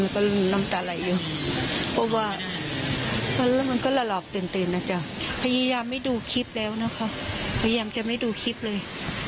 พยายามไม่ดูคลิปแล้วนะครับพยายามจะไม่ดูคลิปเลย